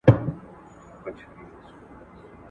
خلع د ښځې لپاره د خلاصون وسیله ده.